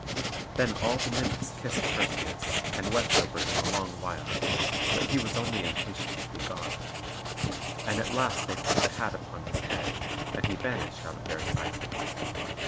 Then all the Nymphs kissed Perseus, and wept over him a long while; but he was only impatient to be gone. And at last they put the hat upon his head, and he vanished out of their sight.